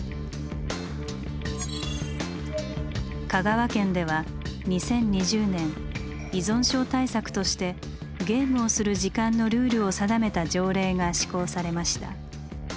香川県では２０２０年依存症対策としてゲームをする時間のルールを定めた条例が施行されました。